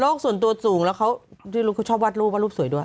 ส่วนตัวสูงแล้วเขาชอบวาดรูปวาดรูปสวยด้วย